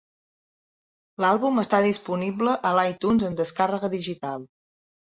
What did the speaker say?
L'àlbum està disponible a l'iTunes en descàrrega digital.